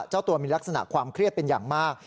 เจ้าตัวมีลักษณะความเครียดเป็นอย่างมาก